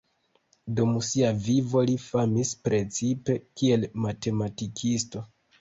Dum sia vivo li famis precipe kiel matematikisto.